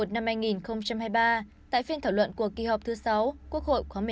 tháng một mươi một năm hai nghìn hai mươi ba tại phiên thảo luận của kỳ họp thứ sáu quốc hội khoáng một mươi năm